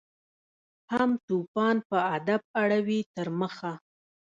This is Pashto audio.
هم توپان په ادب اړوي تر مخه